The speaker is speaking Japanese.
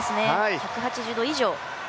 １８０度以上。